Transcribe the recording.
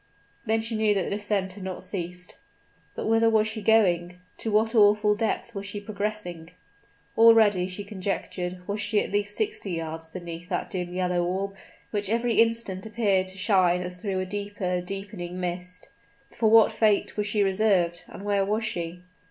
Then she knew that the descent had not ceased. But whither was she going? to what awful depth was she progressing? Already she conjectured, was she at least sixty yards beneath that dim yellow orb which every instant appeared to shine as through a deeper, deepening mist. For what fate was she reserved? and where was she?